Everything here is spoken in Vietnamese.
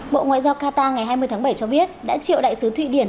bộ ngoại giao qatar ngày hai mươi tháng bảy cho biết đã triệu đại sứ thụy điển